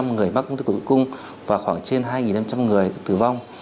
năm sáu trăm linh người mắc ung thư cổ tử cung và khoảng trên hai năm trăm linh người tử vong